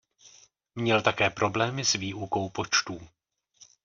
Měl také problémy s výukou počtů.